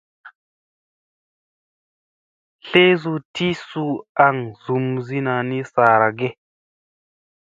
Tlesu ti suu aŋ zumsina ni saara ge ?